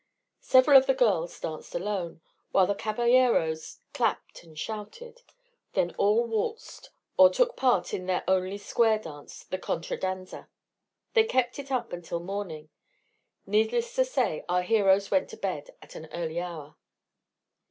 Several of the girls danced alone, while the caballeros clapped and shouted. Then all waltzed or took part in their only square dance, the contradanza. They kept it up until morning. Needless to say, our heroes went to bed at an early hour.